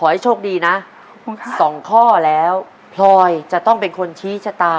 ขอให้โชคดีนะขอบคุณค่ะสองข้อแล้วพลอยจะต้องเป็นคนชี้ชะตา